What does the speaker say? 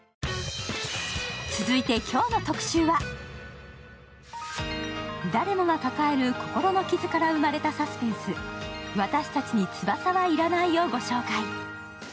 続いて今日の特集は、誰もが抱える心の傷から生まれたサスペンス、「わたしたちに翼はいらない」をご紹介。